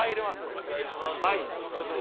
お願いします早速。